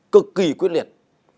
cực kỳ quyết liệt